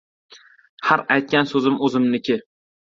Har aytgan so'zim o'zimniki.